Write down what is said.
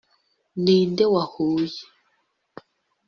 ninde wahuye